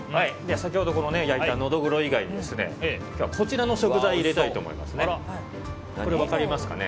先ほど焼いたノドグロ以外で今日は、こちらの食材を入れたいと思いますね。